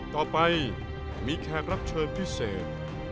ต่อไปมีแขกรับเชิญพิเศษ